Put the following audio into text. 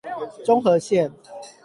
中和線